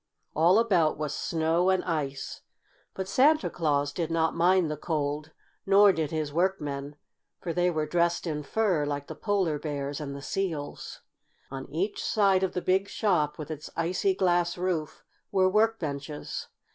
All about was snow and ice, but Santa Claus did not mind the cold, nor did his workmen, for they were dressed in fur, like the polar bears and the seals. On each side of the big shop, with its icy glass roof, were work benches.